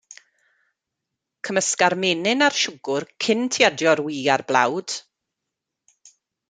Cymysga'r menyn a'r siwgr cyn ti adio'r wy a'r blawd.